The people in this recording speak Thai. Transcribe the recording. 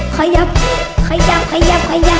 ขยับขยับขยับ